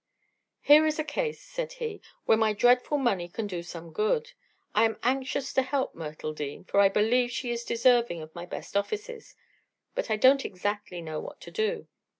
"Here is a case," said he, "where my dreadful money can do some good. I am anxious to help Myrtle Dean, for I believe she is deserving of my best offices. But I don't exactly know what to do.